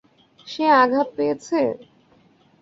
সে আঘাত পেয়েছে?